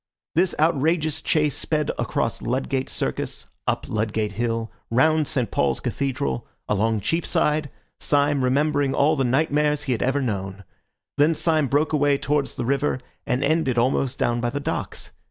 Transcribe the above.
This outrageous chase sped across Ludgate Circus, up Ludgate Hill, round St. Paul's Cathedral, along Cheapside, Syme remembering all the nightmares he had ever known. Then Syme broke away towards the river, and ended almost down by the docks.